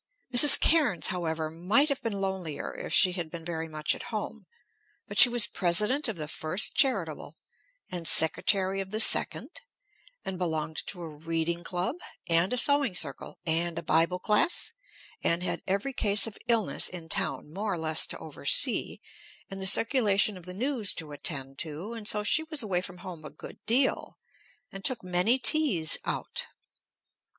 Mrs. Cairnes, however, might have been lonelier if she had been very much at home; but she was President of the First Charitable, and Secretary of the Second, and belonged to a reading club, and a sewing circle, and a bible class, and had every case of illness in town more or less to oversee, and the circulation of the news to attend to, and so she was away from home a good deal, and took many teas out.